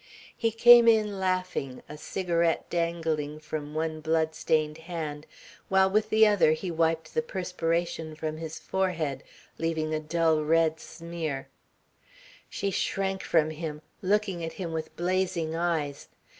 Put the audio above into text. He came in laughing, a cigarette dangling from one blood stained hand, while with the other he wiped the perspiration from his forehead, leaving a dull red smear. She shrank from him, looking at him with blazing eyes.